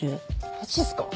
マジっすか